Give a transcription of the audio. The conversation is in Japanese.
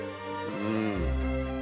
うん！